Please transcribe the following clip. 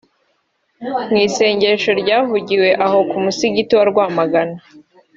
Mu isengesho ryavugiwe aho ku musigiti wa Rwamagana